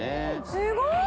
すごい！